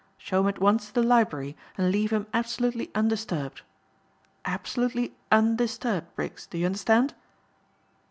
Show him at once to the library and leave him absolutely undisturbed. Absolutely undisturbed, Briggs, do you understand?"